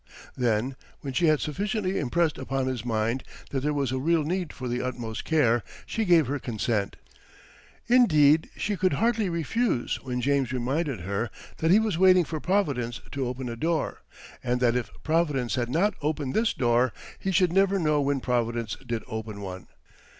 Then, when she had sufficiently impressed upon his mind that there was a real need for the utmost care, she gave her consent. Indeed, she could hardly refuse when James reminded her that he was waiting for Providence to open a door, and that if Providence had not opened this door, he should never know when Providence did open one.